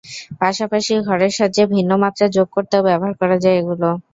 পাশাপাশি ঘরের সাজে ভিন্ন মাত্রা যোগ করতেও ব্যবহার করা যায় এগুলো।